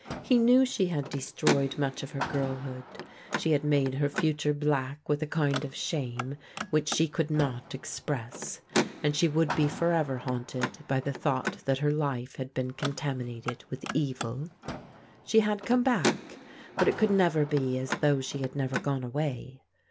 He knew she had destroyed much of her girl hood. She had made her future black with a kind of shame which she could not express, and she would be forever haunted by the thought that her life had been contaminated with evil. She had come back, but it could never be as though she had never gone away.